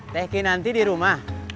teh kinanti dirumah